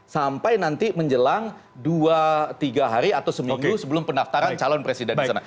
sampai nanti menjelang dua tiga hari atau seminggu sebelum pendaftaran calon presiden di sana